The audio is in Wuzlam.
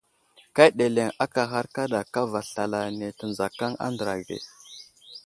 Ka ɗeleŋ aka ghar kaɗa kava slalane tə nzakaŋ a andra ge.